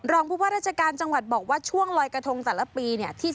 รองผู้ว่าราชการจังหวัดบอกว่าช่วงลอยกระทงแต่ละปีเนี่ย